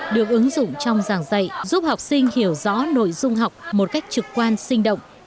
được ứng dụng trong giảng dạy giúp học sinh hiểu rõ nội dung học một cách trực quan sinh động